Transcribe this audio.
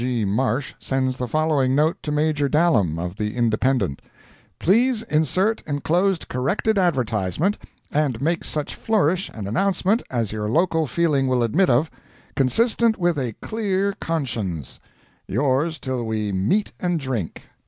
G. Marsh sends the following note to Major Dallam, of the Independent: "—Please insert enclosed corrected advertisement, and make such flourish and announcement as your local feeling will admit of, consistent with a kleer konshuns. Yours till we meat and drink."